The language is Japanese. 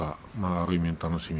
ある意味、楽しみ。